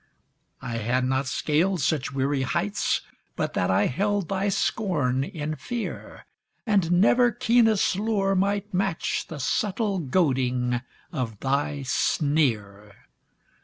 I had not scaled such weary heights But that I held thy scorn in fear, And never keenest lure might match The subtle goading of thy sneer.